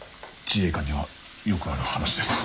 自衛官にはよくある話です。